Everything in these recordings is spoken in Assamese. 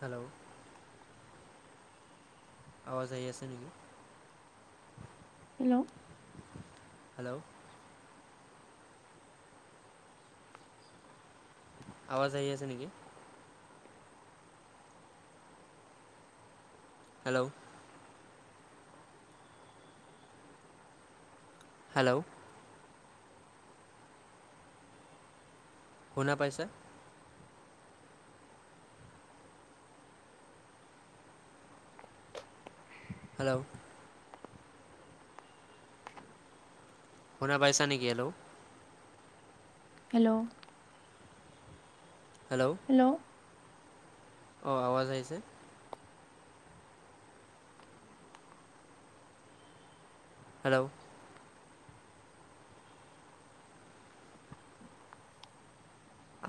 হেল্ল' আৱাজ আহি আছে নেকি? হেল্ল'। হেল্ল'। আৱাজ আহি আছে নেকি? হেল্ল'। হেল্ল'। শুনা পাইচে? হেল্ল'। শুনা পাইছা নেকি হেল্ল' হেল্ল'। হেল্ল'। হেল্ল'। অ' আৱাজ আহিছে? হেল্ল'।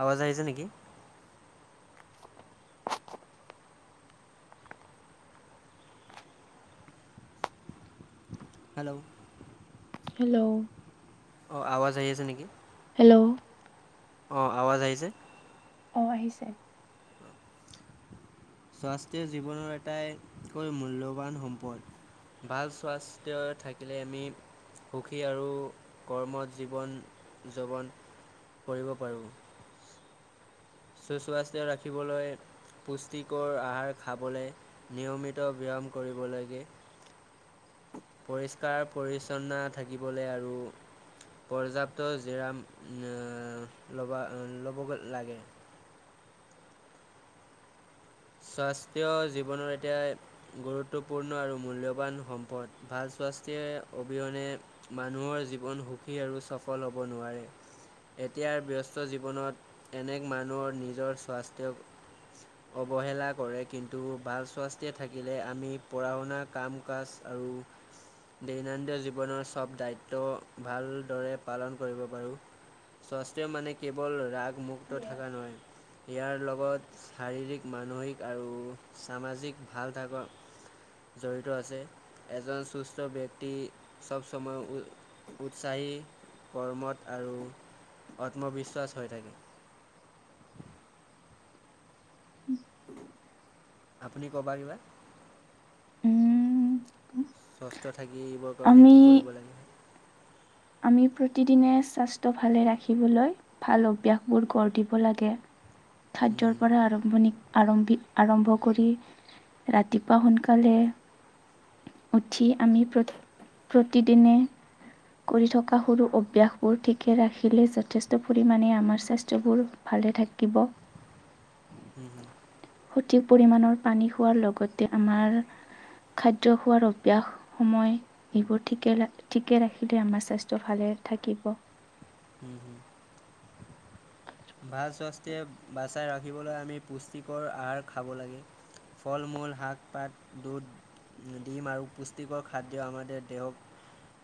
আৱাজ আহিছে নেকি? হেল্ল'। হেল্ল'। অ' আৱাজ আহি আছে নেকি? হেল্ল'। অ' আৱাজ আহিছে? অ আহিছে। স্বাস্থ্য জীৱনৰ আটাইতকৈ মূল্যৱান সম্পদ। ভাল স্বাস্থ্য থাকিলে আমি সুখী আৰু কৰ্মত জীৱন যাপন কৰিব পাৰোঁ। সুস্বাস্থ্য ৰাখিবলৈ। পুষ্টিকৰ আহাৰ খাবলে নিয়মিত ব্যায়াম কৰিব লাগে। পৰিষ্কাৰ পৰিচ্ছন্ন থাকিবলৈ আৰু পৰ্যাপ্ত জিৰাম উম ল'বা- ল'ব- ল'ব লাগে। স্বাস্থ্য জীৱনত এতিয়াই গুৰুত্বপূৰ্ণ আৰু মূল্যৱান সম্পদ, ভাল স্বাস্থ্যৰ অবিহনে মানুহৰ জীৱন সুখী আৰু সফল হ'ব নোৱাৰে। এতিয়া ব্যস্ত জীৱনত এনেক মানুহৰ নিজৰ স্বাস্থ্য অৱহেলা কৰে কিন্তু, ভাল স্বাস্থ্য থাকিলে আমি পঢ়া শুনা কাম কাজ আৰু দৈনন্দিন জীৱনৰ চব দায়িত্ব ভালদৰে পালন কৰিব পাৰোঁ। স্বাস্থ্য মানে কেৱল ৰাগ মুুক্ত থকা নহয় ইয়াৰ লগত শাৰীৰিক মানসিক আৰু সামাজিক ভাল থাকৰ জড়িত আছে এজন সুস্থ ব্যক্তি চব সময় উৎসাহী কৰ্মত আৰু আত্মবিশ্বাস হৈ থাকে। উম। [inaudible] আপুনি ক'বা কিবা? উম সুস্থ থাকিবৰ কাৰণে আমি কি কৰিব লাগে? আমি প্ৰতিদিনে স্বাস্থ্য ভালে ৰাখিবলৈ ভাল অভ্যাসবোৰ গঢ় দিব লাগে, খাদ্যৰ হুম পৰা আৰম্ভণি আৰম্ভি- আৰম্ভ কৰি ৰাতিপুৱা সোনকালে উঠি আমি প্ৰতি প্ৰতিদিনে কৰি থকা সৰু অভ্যাসবোৰ ঠিকে ৰাখিলে যথেষ্ট পৰিমাণে আমাৰ স্বাস্থ্যবোৰ ভালে থাকিব। হ'ম হ'ম। সঠিক পৰিমাণৰ পানী খোৱাৰ লগতে আমাৰ খাদ্য খোৱাৰ অভ্যাস সময় এইবোৰ ঠিকে ঠিকে ৰাখিলে। আমাৰ স্বাস্থ্য ভালে থাকিব। উম, উম। ভাল স্বাস্থ্য বাচাই ৰাখিবলৈ আমি পুষ্টিকৰ আহাৰ খাব লাগে। ফল-মূল, শাক-পাত, দুধ ডিম আৰু পুষ্টিকৰ খাদ্য আমাৰ দেহক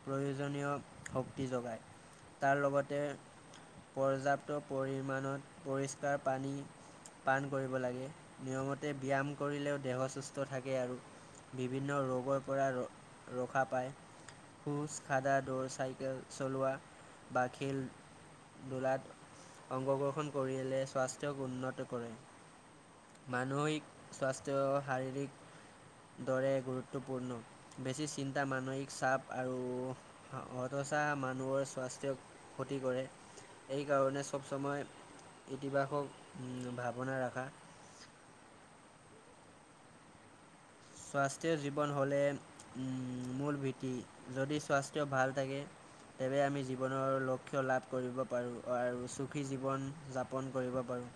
প্ৰয়োজনীয় শক্তি যোগায়। তাৰ লগতে পৰ্যাপ্ত পৰিমাণত পৰিষ্কাৰ পানী পান কৰিব লাগে নিয়মতে ব্যায়াম কৰিলেও দেহ সুস্থ থাকে আৰু বিভিন্ন ৰোগৰ পৰা ৰ ৰখা পায়। খোজ খাদা, দৌৰ চাইকেল চলোৱা বা খেল ধুলাত অংশগ্ৰহণ কৰিলে স্বাস্থ্যক উন্নত কৰে। মানসিক স্বাস্থ্য শাৰীৰিক দৰে গুৰুত্বপূৰ্ণ। বেছি চিন্তা মানসিক চাপ আৰু হতচা মানুহৰ স্বাস্থ্য ক্ষতি কৰে, এই কাৰণে চ'ব সময় ইতিবাসক ভাৱনা ৰাখা স্বাস্থ্য জীৱন হ'লে উম, মূল ভীতি যদি স্বাস্থ্য ভাল থাকে তেৱে আমি জীৱনৰ লক্ষ্য লাভ কৰিব পাৰোঁ আৰু সুখী জীৱন যাপন কৰিব পাৰোঁ।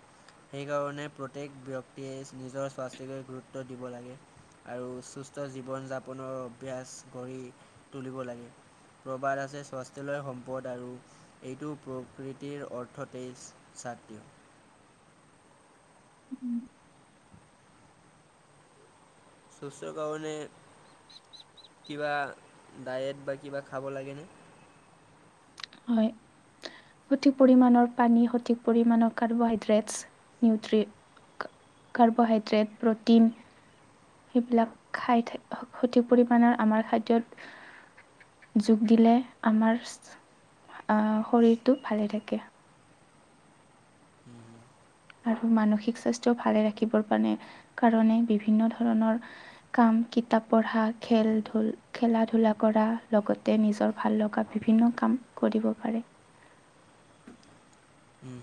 সেইকাৰণে প্ৰত্যেক ব্যক্তিয়ে নিজৰ স্বাস্থিকৈ গুৰুত্ব দিব লাগে। আৰু সুস্থ জীৱন-যাপনৰ অভ্যাস গঢ়ি তুলিব লাগে। প্ৰবাদ আছে স্বাস্থ্যলয় সম্পদ আৰু এইটো প্ৰকৃতিৰ অৰ্থতেই ছাত্ৰীয়। উম। স্বচ্ছৰ কাৰণে কিবা ডায়েট বা কিবা খাব লাগে নে? হয়। সঠিক পৰিমাণৰ পানী, সঠিক পৰিমাণৰ কাৰ্বহাইড্ৰেটছ, নিউট্ৰিছ কাৰ্বোহাইড্ৰেট, প্ৰ'টিন সেইবিলাক খাই থাক সঠিক পৰিমামাণৰ আমাৰ খাদ্যত যোগ দিলে আমাৰ আ, শৰীৰটো ভালে থাকে। উম। আৰু মানসিক স্বাস্থ্য ভালে ৰাখিব কাৰণে বিভিন্ন ধৰণৰ কাম কিতাপ পঢ়া খেল ধুল খেলা ধূলা কৰা লগতে নিজৰ ভাল লগা বিভিন্ন কাম কৰিব পাৰে। উম।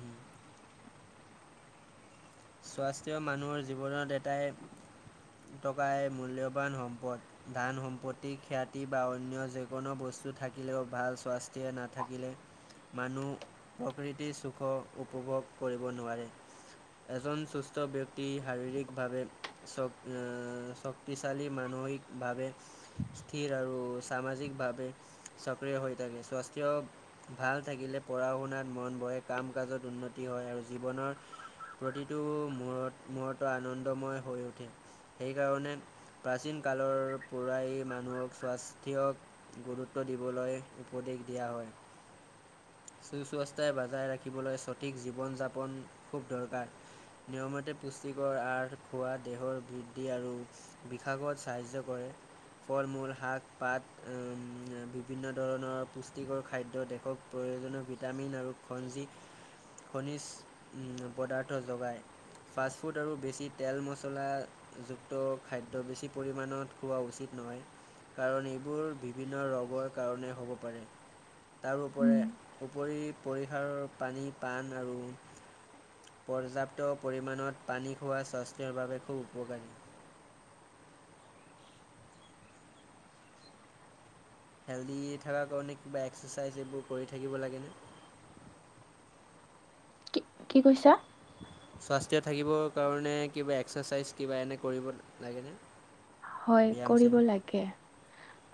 স্বাস্থ্য মানুহৰ জীৱনত এটাই টকাই মূল্যৱান সম্পদ। ধান সম্পত্তি খ্যাতি বা অন্য যিকোনো বস্তু থাকিলেও বা স্বাস্থ্য নাথাকিলে মানুহ প্ৰকৃতিৰ চুখ উপভোগ কৰিব নোৱাৰে। এজন চুস্থ ব্যক্তি শাৰীৰিকভাৱে। শক্ত অ, শক্তিশালী মানসিকভাৱে স্থিৰ আৰু সামাজিকভাৱে সক্ৰিয় হৈ থাকে স্বাস্থ্য ভাল থাকিলে পঢ়া শুনাত মন বহে কাম কাজত উন্নতি হয় আৰু জীৱনৰ প্ৰতিটো মূৰত মূহুৰ্ত আনন্দময় হৈ উঠে সেইকাৰণে প্ৰাচীন কালৰ পৰাই মানুহক স্বাস্থ্য গুৰুত্ব দিবলৈ উপদেশ দিয়া হয়। সুস্বাস্থ্য বজাই ৰাখিবলৈ সঠিক জীৱন-যাপন খুব দৰকাৰ। নিয়মতে পুষ্টিকৰ আহাৰ খোৱা দেহৰ বৃদ্ধি আৰু বিসাগত সাহায্য কৰে। ফল-মূল শাক-পাত বিভিন্ন ধৰণৰ পুষ্টিকৰ খাদ্য দেহক প্ৰয়োজনীয় ভিটামিন আৰু খঞ্জি খনিজ পদাৰ্থ যোগায়। ফাষ্টফুড আৰু বেছি তেল মছলা যুক্ত খাদ্য বেছি পৰিমাণত খোৱা উচিত নহয়। কাৰণ এইবোৰ বিভিন্ন ৰোগৰ কাৰণে হ'ব পাৰে। তাৰোপৰে উম উপৰি পৰিসাৰৰ পানী পাণ আৰু পৰ্যাপ্ত পৰিমাণত পানী খোৱা স্বাস্থ্যৰ বাবে খুব উপকাৰী। হেল্ডি থকাৰ কাৰণে কিবা এক্সাৰচাইজ এইবোৰ কৰি থাকিব লাগেনে? কি কি কৈছা? স্বাস্থ্য থাকিবৰ কাৰণে কিবা এক্সাৰচাইজ কিবা এনে কৰিব লাগেনে? [unintelligible] হয় চ্যায়াম কৰিব লাগে,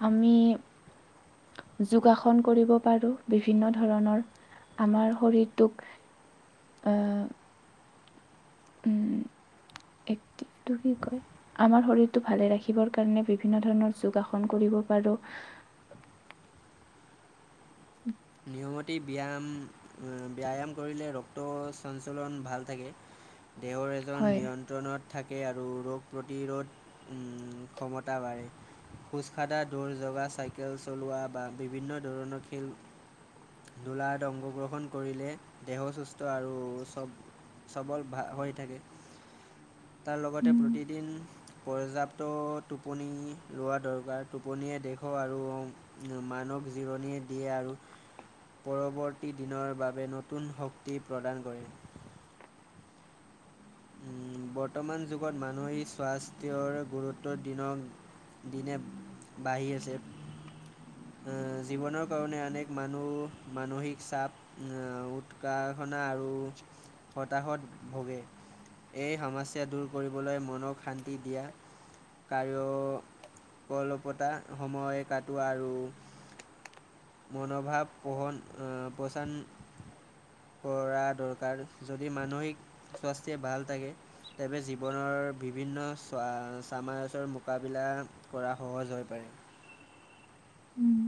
আমি যোগাসন কৰিব পাৰো বিভিন্ন ধৰণৰ আমাৰ শৰীৰটোক অহ [inaudible] এক্টিভটোক কি কয় আমাৰ শৰীৰটো ভালে ৰাখিবৰ কাৰণে বিভিন্ন ধৰণৰ যোগাসন কৰিব পাৰো। উ নিয়মতি ব্যায়াম উ ব্যায়াম কৰিলে ৰক্তৰ চঞ্চলন ভাল থাকে। তেওঁৰ এজন হয়। নিয়ন্ত্ৰণত থাকে আৰু ৰোগ প্ৰতিৰোধ ক্ষমতা বাঢ়ে। খোজকাঢ়া দৌৰ জগা চাইকেল চলোৱা বা বিভিন্ন ধৰণৰ খেল দোলাত অংশগ্ৰহণ কৰিলে দেহ সুস্থ আৰু চব সবল ভা হৈ থাকে তাৰ লগতে উম প্ৰতিদিন পৰ্যাপ্ত টোপনি লোৱা দৰকাৰ টোপনিয়ে দেহক আৰু মানুহক জিৰণিয়ে দিয়ে আৰু পৰৱৰ্তী দিনৰ বাবে নতুন শক্তি প্ৰদান কৰে বৰ্তমান যুগত মানুহে স্বাস্থ্যৰ গুৰুত্ব দিনক দিনে বাঢ়ি আছে এ জীৱনৰ কাৰণে অনেক মানুহ মানসিক চাপ এ উৎকাসনা আৰু হতাহত ভাগে এই সমস্যা দূৰ কৰিবলৈ মনক শান্তি দিয়া আৰু কলপতা সময়ে কটোৱা আৰু মনোভাৱ পঢহন পচান কৰা দৰকাৰ যদি মানসিক স্বাস্থ্য ভাল থাকে তেৱ জীৱনৰ বিভিন্ন চ চামাৰছৰ মোকাবিলা কৰা সহজ হৈ পাৰে। উম'।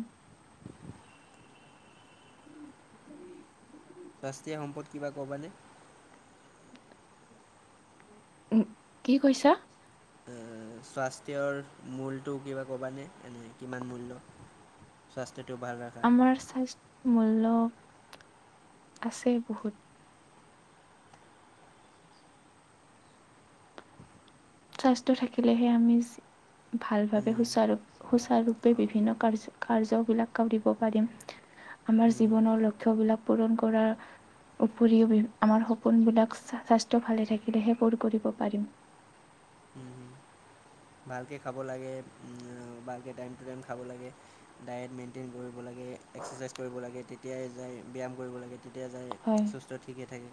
ৰাষ্ট্ৰীয় সম্পদ কিবা ক'বানে? কি কৈছা? সাস্থ্যৰ মূলটো কিবা ক'বানে, কিমান মূল্য? স্বাস্থ্যটো ভাল ৰা আমাৰ স্বাস্থ্য মূল্য আছে বহুত। স্বাস্থ্য থাকিলেহে আমি ভালভাৱে সুচাৰু। সুচাৰুৰূপে বিভিন্ন কাৰ্য কাৰ্য্যবিলাক কৰিব পাৰিম। আমাৰ জীৱনৰ লক্ষ্য বিলাক পূৰণ কৰা। উপৰি আমাৰ সপোনবিলাক স্বাস্থ্য ভালে থাকিলেহে পূৰ কৰিব পাৰিম। উম। ভালকে খাব লাগে, ভালকে টাইম টু টাইম খাব লাগে। ডায়েট মেইনটেইন কৰিব লাগে, এক্সাৰচাইজ কৰিব লাগে, তেতিয়াই যায় ব্যায়াম কৰিব লাগে। তেতিয়াই যায় হয়। সুস্থ ঠিকে থাকে।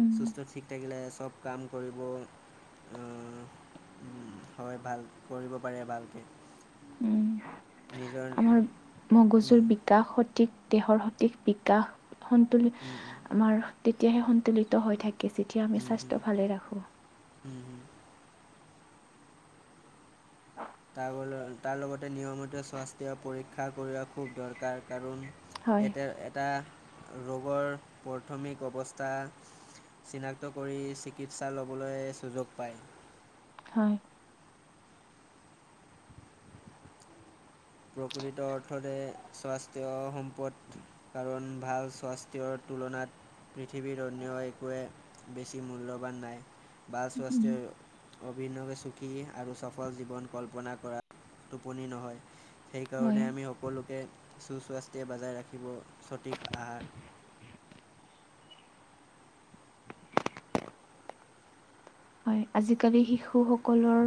উম, সুস্থ ঠিক থাকিলে চব কাম কৰিব হয় ভাল কৰিব পাৰে ভালকে। উম, নিজৰ আমাৰ মগজুৰ বিকাশ সঠিক, দেহৰ সঠিক বিকাশ সন্তুলিত আমাৰ তেতিয়াহে সন্তুলিত হৈ থাকে, যেতিয়া আমি স্বাস্থ্য ভালে ৰাখোঁ। [inaudible] তাৰ লগতে নিয়মিত স্বাস্থ্য পৰীক্ষা কৰোৱা খুব দৰকাৰ। কাৰণ হয়, এটা এটা ৰোগৰ প্ৰথমিক অৱস্থা। চিনাক্ত কৰি চিকিৎসা ল'বলৈ সুযোগ পায়। হয়। [inaudible] প্ৰকৃত অৰ্থৰে স্বাস্থ্য সম্পদ কাৰণ ভাল স্বাস্থ্যৰ তুলনাত পৃথিৱীৰ অন্য একোৱে বেছি মূল্যৱান নাই বা উম, স্বাস্থ্য। অভিনৱে সুখী আৰু সফল জীৱন কল্পনা কৰা টোপনি নহয়। সেইকাৰণে হয়। আমি সকলোকে সুস্বাস্থ্য বজাই ৰাখিব, সঠিক আহাৰ হয়, আজিকালি শিশু সকলৰ